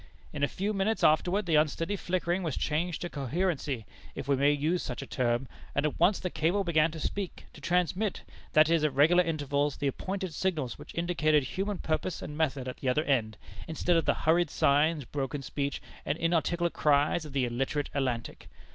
In a few minutes afterward the unsteady flickering was changed to coherency, if we may use such a term, and at once the cable began to speak, to transmit, that is, at regular intervals, the appointed signals which indicated human purpose and method at the other end, instead of the hurried signs, broken speech, and inarticulate cries of the illiterate Atlantic.